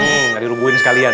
engga dirubuin sekalian